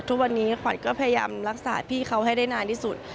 ทุกวันนี้ขวัญก็พยายามรักษาพี่เขาให้ได้นานที่สุด